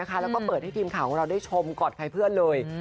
แล้วก็เปิดให้ทีมข่าวก็ได้ชมก่อนครับเพื่อนเลย